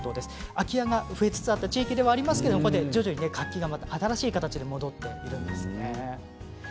空き家が増えつつあった地域ではありますが徐々に活気が新しい形で戻っているんですね。